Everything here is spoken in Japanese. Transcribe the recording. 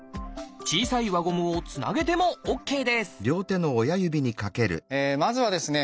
小さい輪ゴムをつなげてもＯＫですまずはですね